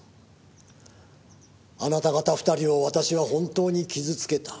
「あなた方２人を私は本当に傷つけた」